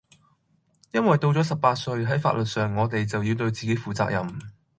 因為到咗十八歲，係法律上我地就要對自己負責任